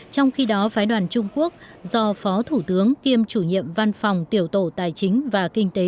trong khi đó phái đoàn trung quốc do phó thủ tướng kiêm chủ nhiệm văn phòng tiểu tổ tài chính và kinh tế